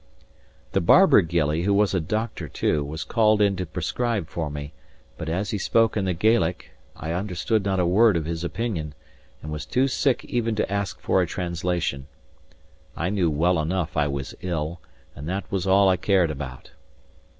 The barber gillie, who was a doctor too, was called in to prescribe for me; but as he spoke in the Gaelic, I understood not a word of his opinion, and was too sick even to ask for a translation. I knew well enough I was ill, and that was all I cared about.